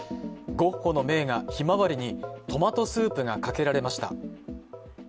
ゴッホの名画「ひまわり」にトマトスープがかけられました。